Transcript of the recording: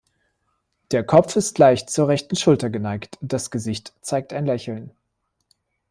Der Kopf ist leicht zur rechten Schulter geneigt, das Gesicht zeigt ein Lächeln.